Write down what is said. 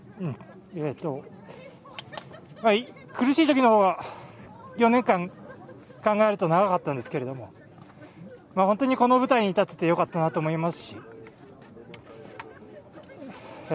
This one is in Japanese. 苦しいときのほうが４年間考えると長かったんですが本当にこの舞台に立ててよかったなと思いますし。